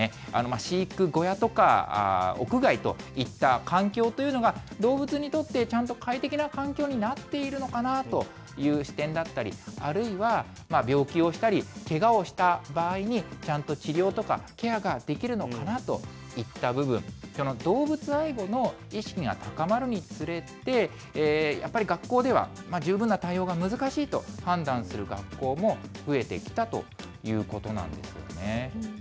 飼育小屋とか屋外といった環境というのが、動物にとってちゃんと快適な環境になっているのかなという視点だったり、あるいは病気をしたり、けがをした場合に、ちゃんと治療とかケアができるのかなといった部分、動物愛護の意識が高まるにつれて、やっぱり学校では十分な対応が難しいと判断する学校も増えてきたということなんですよね。